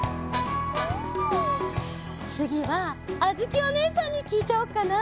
つぎはあづきおねえさんにきいちゃおうかな。